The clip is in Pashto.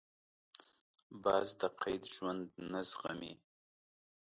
باز د قید ژوند نه زغمي